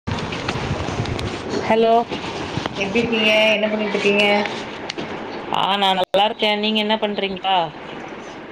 [inaudible] hello எப்டி இருக்கீங்க என்ன பண்ணிட்டு இருக்கீங்க ஆ நா நல்லா இருக்கே நீங்க என்ன பண்றீங்ப்பா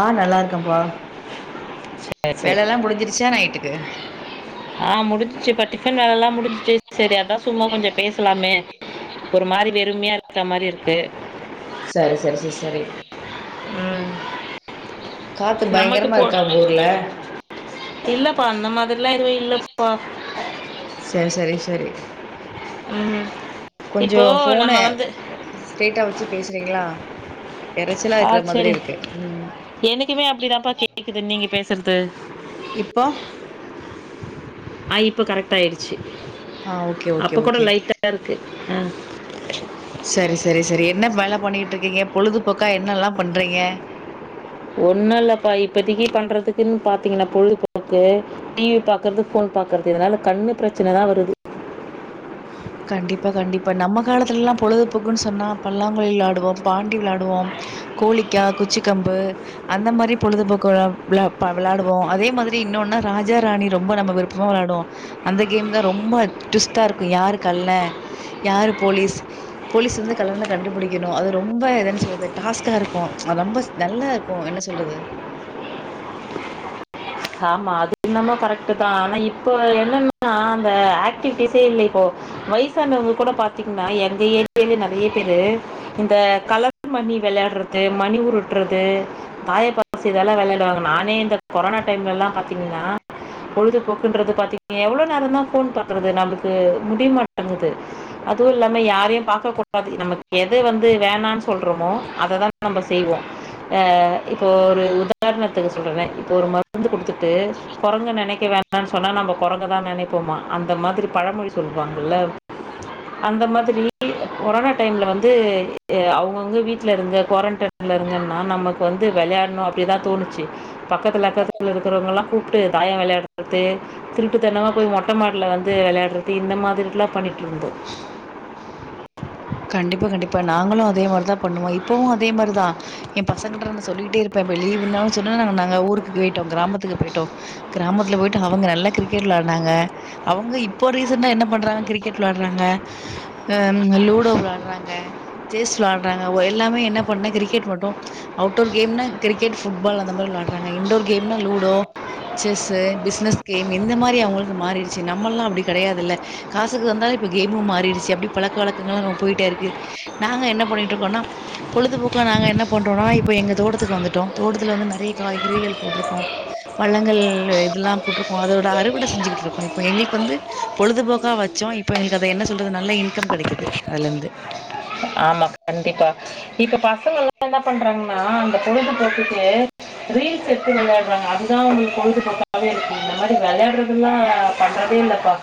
ஆ நல்லா இருக்கேன்ப்பா சரி சரி வேலல்லா முடிஞ்சிருச்சா நைட்டுக்கு ஆ முடிசிச்சுப்பா டிஃபன் வேலல்லா முடிஞ்ச்சு சரி அதா சும்மா கொஞ்சோ பேசலாமே ஒரு மாரி வெறுமையா இருக்க மாரி இருக்கு செரி செரி செரி செரி ம் காத்து நமக்கு பயங்கரமா போ இருக்கா உங்க ஊர்ல இல்லப்பா அந்ந மாரி எல்லா எது இல்லப்பா சேரி சேரி சேரி ம் கொஞ்சோ இப்போ ஃபோன நம்ம வந்து ஸ்ரைட்டா வச்சு பேசுறீங்ளா எறைச்சலா ஆ இருக்கற மாதிரி சரி இருக்கு ம் எனக்குமே அப்படிதான்ப்பா கேக்குது நீங்க பேசுறது இப்போ ஆ இப்ப கரெக்டா ஆயிடுச்சு ஆ ஓகே ஓகே அப்போ கூட ஓகே லைட்டாதா இருக்கு ஆ சரி சரி சரி என்ன வேல பண்ணிட்டு இருக்கீங்க பொழுதுபோக்கா என்னல்லாம் பண்றீங்க ஒண்ணும் இல்லப்பா இப்போதக்குி பண்றதுக்குன்னு பாார்த்தீங்கன்னா பொழுப்பக்கு டி வி பா்கறது ஃபோன் பாறது இதனால கண்ணு பிரச்சனதா வருது கண்டிப்பா கண்டிப்பா நம்ம காலத்துலல்லாம் பொழுதுபோக்குன்னு சொன்னா பல்லாங்குழி விளையாடுவோம் பாண்டி விளையாடுவோம் கோழிக்கா குச்சி கம்பு அந்த மாரி பொழுதுபோக்கு விள விள விளையாடுவோம் அதே மாரி இன்னொன்னு ராஜா ராணி ரொம்ப நம்மம் போ விளையாடுவோம் அந்த கேம் தான் ரொம்ப டுவிஸ்டா இருக்கும் யாருக்கு கல்ன யாரு போலீஸ் போலீஸ் வந்து கல்லன கண்டுபிடிக்கணும் அது ரொம்ப எதுன்னு சொல்றது டாஸ்க்கா இருக்கும் அது ரொம்ப நல்லா இருக்கும் என்ன சொல்றது ஆமா அது என்னமோ கரெக்ட் தான் ஆனா இப்போ என்னன்னன்னா அந்த ஆக்டிவிட்டிஸே இல்ல இப்போ வயசானவங்க கூட பாத்தீங்கன்னா எங்க ஏரியாலே நறைய பேரு இந்த கல மணி விளையாடுறது மணி ஊரு சுட்டுறது தாயபாசு இதெல்லாம் விளையாடுவாங்க நானே இந்த கொரோனா டைம்லல்லாம் பாத்தீங்கன்னா பொழுதுபோக்குன்றது பாத்தீங்க எவ்ளோ நேரம் தான் போன் பாக்குறது நம்மளுக்கு முடிமாட்டேங்குது அதுவும் இல்லாம யாரையும் பாக்க கூடாது நமக்கு எத வந்து வேணான்னு சொல்றோமோ அததான் நம்ம செய்வோம் அ இப்போ ஒரு உதாரணத்துக்கு சொல்றேன் இப்போ ஒரு மருந்து குடுத்துட்டு குரங்க நினைக்க வேண்டானு சொன்னா நம்ம குரங்கதான் நினைப்போமா அந்த மாரி பழமொழி சொல்லுவாங்கல்ல அந்த மாதிரி கொரோனா டைம்ல வந்து அவுங்கவுங்க வீட்ல இருந்து குவாரண்டன் இருந்தன்னா நமக்கு வந்து விளையாடணும் அப்டிதான் தோணுச்சு பக்கத்து அக்கத்துல இருக்கறவங்கல்லாம் கூப்ட்டு தாயம் விளையாடுறது திருட்டு தனமா போய் மொட்டை மாடில வந்து விளையாடுறது இந்த மாதிரி எல்லாம் பண்ணிட்டு இருந்தோ கண்டிப்பா கண்டிப்பா நாங்களும் அதே மாரிதான் பண்ணுவோம் இப்பவு அதே மாரிதான் என் பசங்கிட்ட ந சொல்லிட்டே இருப்பன் இப்ப லீவுனாலும் சொன்னா நா ஊருக்கு போய்ட்டோம் கிராமத்துக்கு போய்ட்டோம் கிராமத்துல போய்ட்டு அவங்க நல்லா கிரிக்கெட் விளையாடுனாங்க அவுங்க இப்போ ரீசண்டா என்ன பண்றாங்க கிரிக்கெட் விளையாடுறாங்க லூ டோ விளையாடுறாங்க செஸ் விளையாடுறாங்க எல்லாமே என்ன பண்ணா கிரிக்கெட் மட்டும் அவுட்டோர் கேம்னா கிரிக்கெட் ஃபுட்பால் அந்த மாரி விளாடுறாங்க இன்டோர் கேம்னா லுடோ செஸ்ஸு பிசினஸ் கேம் இந்த மாரி அவங்களுக்கு மாறிடுச்சு நம்ம எல்லாம் அப்டி கிடையாதுல்ல காசுக்கு வந்தாலும் இப்ப கேமு மாறிடுச்சு அப்டி பழக்க வழக்கங்கலா போயிட்டே இருக்கு நாங்க என்ன பண்ணிட்டுருக்கோன்னா பொழுதுபோக்கா நாங்க என்ன பண்றோம்னா இப்ப எங்க தோட்டத்துக்கு வந்துட்டோம் தோட்டத்துல வந்து நறைய காய்கறிகள் போட்டிருக்கோம் பள்ளங்கள் இதெல்லாம் போட்டிருக்கோம் அதோட அறுவடை செஞ்சுகிட்டு இருக்கோம் இப்போ எங்களுக்கு வந்து பொழுதுபோக்கா வச்சோம் இப்ப எங்களுக்கு அது என்ன சொல்றது நல்ல இன்கம் கிடைக்குது அதுல இருந்து ஆமா கண்டிப்பா இப்ப பசங்க எல்லாம் என்ன பண்றாங்கன்னா அந்த பொழுது போக்குக்கு ரீல்ஸ் எடுத்து விளையாடுறாங்க அதுதான் அவுங்களுக்கு பொழுதுபோக்காவே இருக்கு இந்த மாரி விளையாடுறது எல்லாம் பண்றதே இல்லைப்பா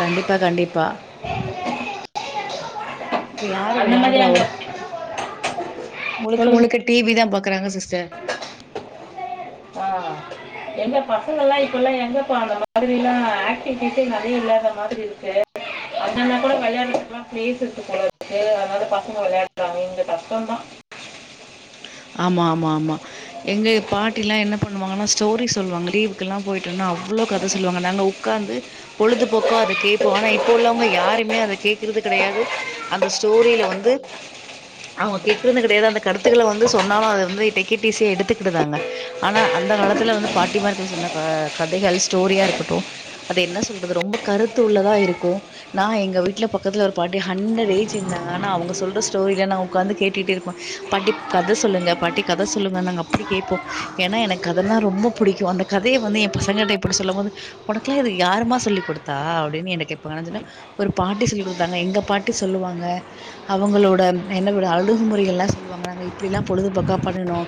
கண்டிப்பா கண்டிப்பா இப்ப யாரு அந்த மாதிரி விளயாடுரா அங்க முழுக்க சொல்லுங்க முழுக்க டிவி தான் பாக்குறாங்க சிஸ்டர் ஆ எங்க பசங்கள்லாம் இப்போல்லாஊம் எங்கப்ப அந்த மாதிரிலாம் ஆக்டிவிட்டிஸே நிறைய இல்லாத மாதிரி ஏ அதனால கூட விளையாடுறது எல்லாம் ஸாுுஉஉஉஐபேல்லஸ்ல்ல கூட இருக்கு அதனதுவ் பசங்க விளையாடுறாங்க இங்க கஷ்டம்்தான் ஆமா ஆமா ஆமா எங்க பாட்டில்லாம் என்ன பண்ணுவாங்கன்னா ஸ்டோரி சொல்லுவாங்க லீவுக்குெல்லாம் போய்ட்டா அவ்ளோ கதை சொல்லுவாங்க‌ நாங்க ஒ ஒக்காந்து பொழுதுபோக்க அதை கேட்போம் ஆனா இப்ப உள்ளவங்க யாருமே அத கேட்கறது கிடையாது அந்த ஸ்டோரியில வந்து அவங்க கேக்கறது கிடையாது அந்த கருத்துக்கள வந்து வந்து சொன்னாலும் அத வந்து டேக் இட்‌ ஈசிய எடுத்துக்கிதாங்க ஆனா அந்த காலத்துல வந்து பாட்டிமாரர்கள் சொன்ன க கதைகள் ஸ்டோரியா இருக்கட்டும் அது என்ன சொல்றது ரொம்ப கருத்து உள்ளதா இருக்கும் நான் எங்க வீட்டுல பக்கத்துல ஒரு பாட்டி ஹண்டரட் ஏஜ் இருந்தாங்க ஆனா அவங்க சொல்ற ஸ்டோரில நான் உட்கார்ந்து கேட்டுட்டு இருப் ப படிப்பு கத சொல்லுங்க பாட்டி கத சொல்லுங்க நாங்க அப்டி கேட்போம் ஏன்னா எனக்கு கதைன்னா ரொம்ப பிடிக்கும் அந்த கதய வந்து பசங்கிட்ட எப்டி சொல்லும் போது உனக்குல்லா இது யாருமா சொல்லி கொடுத்தா அப்டின்னு என்ன கேட்பாங்கன்னு சொன்னா ஒரு பாட்டி சொல்லி கொடுத்தாங்க எங்க பாட்டி சொல்லுவாங்க அவங்களோட என்னட அழுகுமுறைகள் எல்லா சொல்லுவாங்க நாங்க இப்டி எல்லாம் பொழுதுபோக்க பண்ணுனோ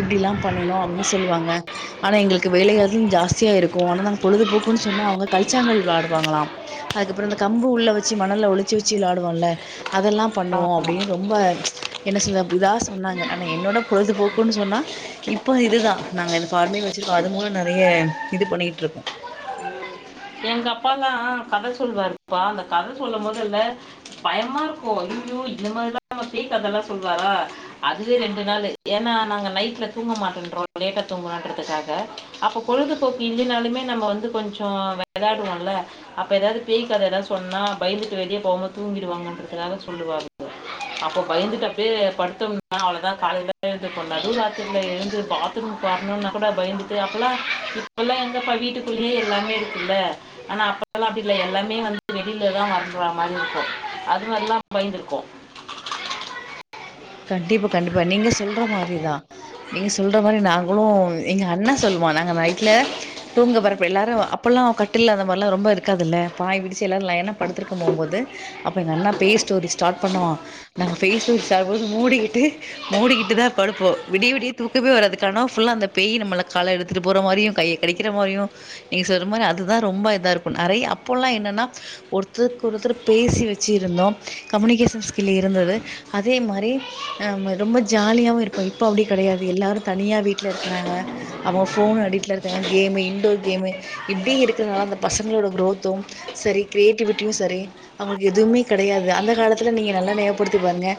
இப்டி எல்லா பண்ணுனோ அப்டின்னு சொல்லுவாங்க ஆனா எங்களுக்கு வேலை எம் ஜாஸ்தியா இருக்கும் ஆனா நாங்க பொழுதுபோக்குன்னு சொன்னா அவங்க கழச்சாங்கல் விளையாடுவாங்களாம் அதுக்கப்புறோ இந்த கம்பு உள்ள வச்சு மணல்ல ஒழிச்சு வச்சு விளையாடுவோம்ல அதெல்லா பண்ணுவோம் ஆமா அப்டின்னு ரொம்ப என்ன சொல்லுவே பிளாஸ் சொன்னாங்க ஆனால் என்னோட பொழுதுபோக்குன்னு சொன்னா இப்ப இதுதான் நாங்க இந்த பஃபார்மிங் வச்சிருக்கோம் அது மூலம் நெறையா இது பண்ணிட்டு இருக்கோம் எங்க அப்பாலா கத சொல்லுவாருப்பா அந்த கத சொல்லும்பதல்ல பயமா இருக்கு ஐயையோ இந்த மாதிரி எல்லா பேய் கத எல்லா சொல்வாரா அதுவே ரெண்டு நாளு ஏன்னா நாங்க நைட்ல தூங்க மாட்டேன்றோம் லேட்ட தூங்க மாட்டுறதுக்காக அப்ப பொழுதுபோக்கு இல்லைனாலுமே நம்ம வந்து கொஞ்சோ விளையாடுவோம்ல அப்ப ஏதாவது பேய்க்கத எதாவது சொன்னா பயந்து வெளியே போகாம தூங்கிடுவாங்கன்றக்காக சொல்லுவாங்க அப்ப பயந்துட்டு அப்டியே படுத்தோம்னா அவ்ளோதான் காலைல எழுந்துருப்போம் நடுராத்திரில எழுந்து பாத் ரூம் வரணும்னா கூட பயந்துட்டு அப்போலா இப்போல்லா எங்கேப்பா வீட்டுக்குள்ளேயே எல்லாமே இருக்குல ஆனா அப்பல்லா அப்டி இல்ல எல்லாமே வந்து வெளிலதான் வர்ற மாதிரி இருக்கும் அது மாதிரல்லா பயந்திருக்கோம் கண்டிப்பா கண்டிப்பா நீங்க சொல்ற மாதிரிதான் நீங்க சொல்ற மாதிரி நாங்களும் எங்க அண்ணா சொல்லுவான் நாங்க நைட்ல தூங்க வரப்ப எல்லாரு அப்பெல்லா கட்டில்ல அந்த மாதிர எல்லா ரொம்ப இருக்காதுல்ல பாய் விருச்சி எல்லாரு ஏன்னா படுத்துருக்க போம்போது அப்ப எங்க அண்ணா பேய் ஸ்டோரி ஸ்டார்ட் பண்ணுவான் நாங்க பேய் ஸ்டோரி ஸ்டார்ட் பண்ணுபோது மூடிக்கிட்டு மூடிகிட்டு தா படுப்போம் விடிய விடிய தூக்கமே வராது கனவு ஃபுல்லா அந்த பேய் நம்மள கால எடுத்துட்டு போற மாதிரியு கைய கிடைக்கிற மாதிரியு நீங்க சொல்ற மாரி அதுதான் ரொம்ப இத இருக்கும் நெறையா அப்பல்லா என்னன்னா ஒருத்தருக்கு ஒருத்தர் பேசி வச்சு இருந்தோம் கம்யூனிகேஷன் ஸ்கில் இருந்தது அது அதே மாறி ஆ ரொம்ப ஜாலியாவும் இருப்போம் இப்ப அப்டி கிடையாது எல்லாரு தனியா வீட்டுல இருக்கிறாங்க அவங்க போன் அடிடல இருக்காங்க கேமு இன்டோர் கேமு இப்டி இருக்கிறதுனால அந்த பசங்களோட குரோத்தும் செரி கிரியேட்டிவிட்டியும் செரி அவங்களுக்கு எதுவுமே கிடையாது அந்த காலத்துல நீங்க நல்லா ஞாபகப்படுத்தி பாருங்க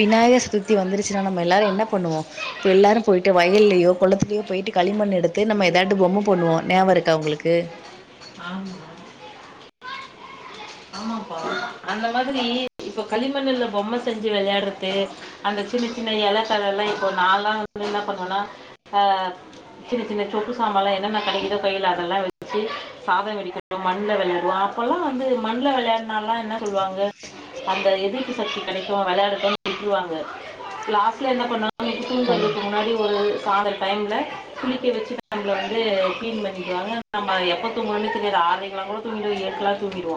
விநாயக சதுர்த்தி வந்துருச்சுன்னா நம்ம எல்லாரு என்ன பண்ணுவோம் இப்போ எல்லோரும் போய்ட்டு வயலேயோ குளத்துலேயோ போயிவிட்டு களிமண் எடுத்து நம்ம எதாட்டு பொம்மை பண்ணுவோ ஞாபக இருக்கா உங்களுக்கு ஆமா ஆமாப்பா அந்த மாதிரி இப்ப களிமண்ணுல பொம்மை செஞ்சு விளையாடுறது அந்த சின்ன சின்ன இலை தல லா இப்போ நான்லா வந்துட்டு என்ன பண்ணுவேன்னா அ சின்ன சின்ன சொப்பு சாம்ப எல்லா என்னென்ன கடைக்குதோ கையில அதெல்லா வச்சு சாதம் வெடிக்க அப்ப மண்ல விளையாடுவோ அப்பல்லா வந்து மண்ல விளையாடுனால்லா என்ன சொல்லுவாங்க அந்த எதிர்பு சக்தி கிடைக்கும் விளையாட்டுனு விட்டுருவாங்க லாஸ்ட் என்ன பண்ண நம்ம கண் தூங்குறதுக்கு முன்னாடி ஒரு சாடட் டைமில் குளிக்க வச்சு நம்மளை வந்து கிளீன் பண்ணிக்குவாங்க நம்ம எப்ப தூங்குனோனே தெரியாது ஆரைக்கு எல்லா கூட தூங்கிடு ஏற்க்ல தூங்கிடுவோ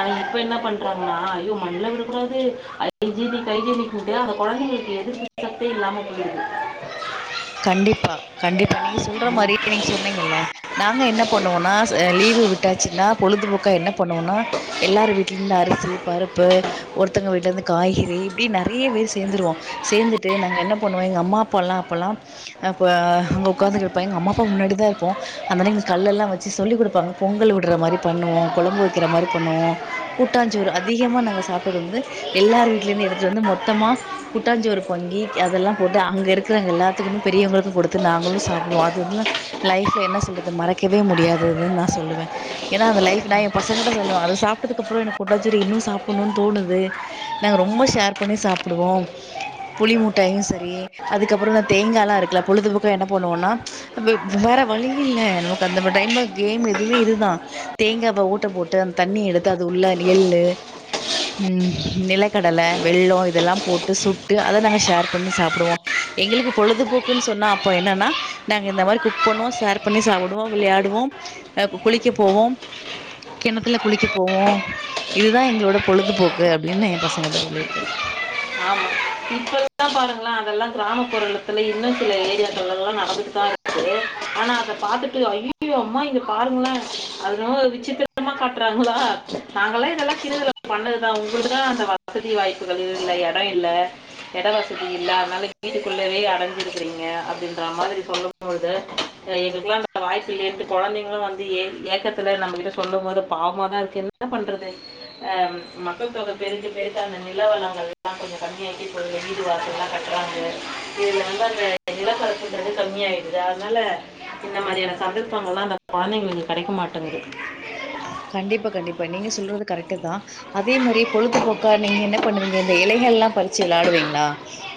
ஆன இப்ப என்ன பண்றாங்ன்னா ஐயோ மண்ல விடக் கூடாது ஹைஜினிக் ஹைஜினிக்ட்டு அந்த கொழந்தைகளுக்கு எதுர்ப்பு சக்தி இல்லாம போய்டுது கண்டிப்பா கண்டிப்பா நீங்க சொல்ற மாரியே நீங்க சொன்னீங்கல்ல நாங்க என்ன பண்ணுவோனா லீவு விட்டாச்சுன்னா பொழுதுபோக்கா என்ன பண்ணுவோனா எல்லாரு வீட்லந்து அரிசி பருப்பு ஒருத்தவுங்க வீட்ல இருந்து காய்கறி இப்டி நறைய பேர் சேர்ந்துருவோ சேர்ந்துட்டு நாங்க என்ன பண்ணுவோ எங்க அம்மா அப்பல்லா அப்போல்லா அ அங்க உட்காந்து கெடப்ப எங்க அம்மா அப்பா முன்னாடிதா இருப்போ அந்த டைம் கல்லெல்லா வச்சு சொல்லி் குடுப்பாங்க பொங்கல் விடுற மாரி பண்ணுவோ கொழம்பு வைக்கிற மாரி பண்ணுவோ கூட்டாஞ்சோறு அதிகமா நாங்க சாப்ட்டது வந்து எல்லார் வீட்லிமே எடுத்துட்டு வந்து மொத்தமா கூட்டாஞ்சோறு பொங்கி அதெல்லா போட்டு அங் இருக் கிறங்க எல்லாத்துக்குமே பெரியவுங்களுக்கு கொடுத்து நாங்களு சாப்டுவோ அதுல்லா லைஃப்ல என்ன சொல்றது மறக்கவே முடியாதுதுன்னு நா சொல்லுவே ஏன்னா அந்த லைஃப் நா என் பசங்கிட்ட சொல்லுவ அத சாப்ட்டதுக்கு அப்புறோ எனக் கூட்டாஞ்சோறு இன்னு சாப்புன்ணுன் தோணுது நாங்க ரொம்ப ஷேர் பண்ணி சாப்டுவோ புளி முட்டாயும் செரி அதுக்கப்புறோ இந்த தேங்காலா இருக்குல பொழுதுபோக்க என்ன பண்ணுவோனா அப்ப வேற வழி இல்ல நமக்கு அந்த மாரி டைம்ல கேம் எதுமே இதுதா தேங்காவ ஊட்ட போட்டு அந்த தண்ணி எடுத்து அது உள்ள எள்ளு ம் நிலக்கடல வெள்ளோ இதெல்லா போட்டு சுட்டு அத நாங்க ஷேர் பண்ணி சாப்டுவோ எங்களுக்கு பொழுதுபோக்குன் சொன்னா அப்போ என்னன்னா நாங்க இந்த மாதிரி குக் பண்ணுவோ ஷேர் பண்ணி சாப்புடுவோ விளையாடுவோ அ குளிக்க போவோம் கிணத்துல குளிக்க போவோம் இதுதா எங்களோட பொழுதுபோக்கு அப்டின்னு என் பசங்கிட்ட சொல்லியிருக்கே ஆமா இப்பதா பாருங்ள அதெல்லா கிராமப்புறத்தில இன்னு சில ஏரியக்கல்லலா நடந்துட்டு தா இருக்கு ஆனா அத பார்த்துட்டு யோ அம்மா இங்க பாருங்ள அதல ஒரு விச்சித்திரமா காட்றாங்ளா நாங்களா இதெல்லா சின்னதுல பண்ணதுதா உங்களுக்குதா அந்த வசதி வாய்ப்புகள் இல்லை இட இல்ல இட வசதி இல் வீட்டுக்குள்ளவே அடஞ்சிருக்கிறீங்க அப்டின்ற மாரி சொல்லும்போது அ எங்குளுக்லா வாய்ப்பில இருந்து கொழந்தைங்ளு வந்து ஏ ஏக்கத்துல நம்மகிட்ட சொல்லும் போது பாவமாதா இருக்கு என்ன பண்றது அ மக்கள் தொகை பெருக்கு பெருச அந்த நிலவளங்கள் எல்லா கொஞ்சோ கம்மியாக்கி போ வீடு வாச எல்லா க இதுல அந்த [inaudible] நிலக்கரத்துங்கிறது கம்மிய ஆயிடுது அதனால இந்த மாரியான சந்தர்ப்பங்கள்லா அந்த கொழந்தைங்களுக் கெடைக்க மாட்டேங்குது கண்டிப்பா கண்டிப்பா நீங்க சொல்றது கரெக்ட்டு தா அதே மாரி பொழுதுபோக்கா நீங்க என்ன பண்ணுவீங்க இந்த இலைகள் எல்லா பறிச்சு விளையாடுவீங்ளா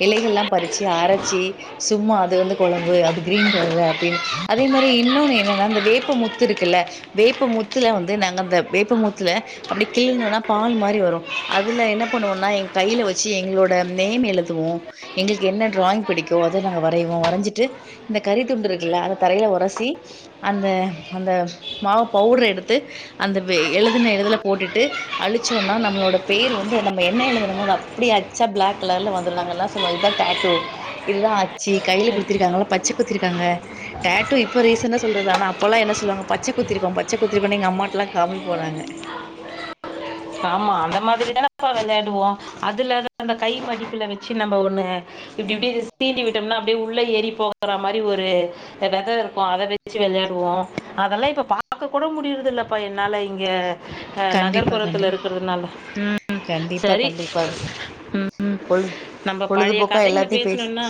இலைகள்லா பறிச்சு அரச்சி சும்மா அது வந்து கொழம்பு அது கிரீன் கலரு அப்டின் அதே மாரி இன்னொன்னு என்னன்னா அந்த வேப்பமுத்து இருக்குல்ல வேப்ப முத்துல வந் து நாங்க அந்த வேப்பமூத்துல அப்டி கில்னனா பால் மாரி வரு அதுல என்ன பண்ணுவோனா எங்க கையில வச்சு எங்களோட நேம் எழுதுவோ எங்களுக்கு என்ன டிராயிங் பிடிக்கோ அத நாங்க வரைவோ வரஞ்சிட்டு இந்த கறி துண்டு இருக்குல்ல அந்த தரையில உரசசி அந்த அந்த மாவு பவுட்ர எடுத் து அந்த எழுதுன இழுதுல போட்டுட்டு அழிச்சோனா நம்மளோட பேர் வந்து நம்ம என்ன எழுதுனமோ அது அப்டி அச்சா பிளாக் கலர்ல வந்துடு நாங்கல்ல சொல்வோ இதுதா டேட்டோ இதுதா அச்சு கையில குடுத்திருக்காங்கல்லா பச்ச குத்திருக்காங்க டேட்டோ இப்ப ரீசன்டா சொல்றது ஆனா அப்பல்லா என்ன சொல்லாங்க பச்ச குத்திருக்கோ பச்ச குத்தி [unintelligible] கொண்ட எங்க அம்மாட்லா காமிபோ நாங்க ஆமா அந்த மாதிரி தான அப்ப வெளாடுவோ அதுலதா அந்த கை மடிப்புல வச்சு நம்ம ஒண்ணு இப்டி இப்டி சீண்டி விட்டோம்னா அப்டே உள்ள ஏறி போகற மாரி ஒரு விததா இருக்கு அத வச்சு விளையாடுவோ அதெல்லா இப்ப பாக்க கூட முடியறது இல்லப்பா என்னால இங்கே ஆ கண்டிப்பா நகர்ப்புறத்துல கண்டிப்பா இருக்கிறதுனால ம் கண்டிப்பா சரி கண்டிப்பா ம் பொழுது நம்ம பழைய பொழுதுபோக்கா கதைங்களை எல்லாத்தையு பேசி பேசணும்னா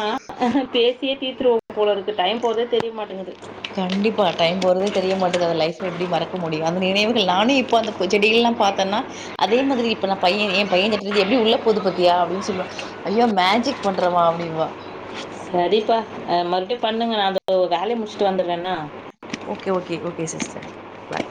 பேசியே தீர்த்துருவ போலருக்கு டைம் போரதே தெரிய மாட்டேங்குது கண்டிப்பா டைம் போறதே தெரிய மாட்டேங்குது அந்த லைப்ல எப்டி மறக்க முடியு அந்த நினைவுகள் நானு இப்ப அந்த செடிகள்ல்லா பாத்தன்னா அதே மாதிரி இப்ப நா பையன் ஏ பையன் கிட்டுறது எப்டி உள்ள போது பாத்தியா அப்டினு சொல்லுவே ஐயோ மேஜிக் பண்றமா அப்புடிபா நடிப்ப ஆ மறுபடியு பண்ணுங்க நா அந்த வேலைய முடிச்சுட்டு வந்துடுறே என்னா ஓகே ஓகே ஓகே சிஸ்டர் பாய்